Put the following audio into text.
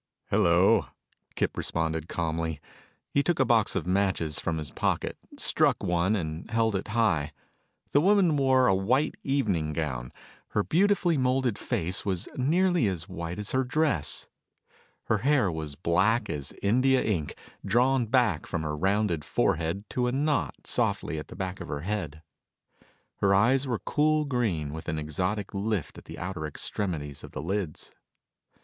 "Hello," Kip responded calmly. He took a box of matches from his pocket, struck one, and held it high. The woman wore a white evening gown. Her beautifully molded face was nearly as white as her dress. Her hair was black as India ink, drawn back from her rounded forehead to knot softly at the back of her head. Her eyes were cool green with an exotic lift at the outer extremities of the lids.